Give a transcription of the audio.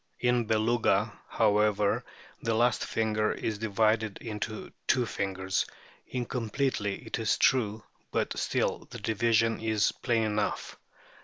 In Beluga, however, the last finger is divided into two fingers, incompletely it is true, but still the division is plain enough.